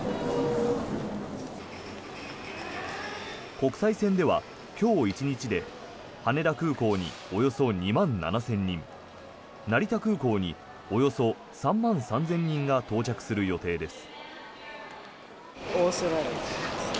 国際線では今日１日で羽田空港におよそ２万７０００人成田空港におよそ３万３０００人が到着する予定です。